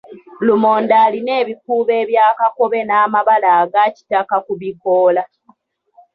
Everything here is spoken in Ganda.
Lumonde alina ebikuubo ebya kakobe n'amabala aga kitaka ku bikoola.